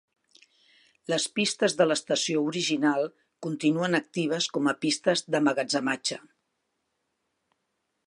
Les pistes de l'estació original continuen actives com a pistes d'emmagatzematge.